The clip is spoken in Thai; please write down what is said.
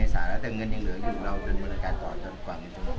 เราก็การต่อเถอะ